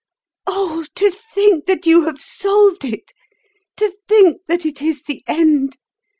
"Oh, to think that you have solved it! To think that it is the end!